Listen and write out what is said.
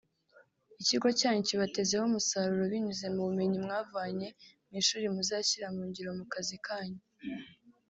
ikigo cyanyu kibatezeho umusaruro binyuze mu bumenyi mwavanye mu ishuri muzashyira mungiro mu kazi kanyu